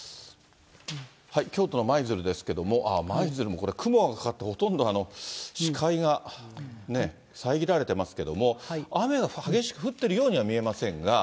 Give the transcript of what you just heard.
京都の舞鶴ですけれども、舞鶴も雲がかかって、ほとんど視界がね、遮られてますけれども、雨が激しく降っているようには見えませんが。